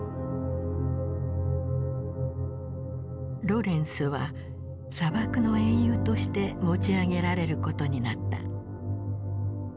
ロレンスは砂漠の英雄として持ち上げられることになった。